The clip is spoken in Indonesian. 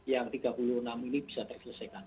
yang tiga puluh enam ini bisa diselesaikan